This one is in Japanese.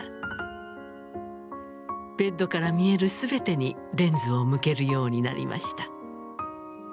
ベッドから見える全てにレンズを向けるようになりました。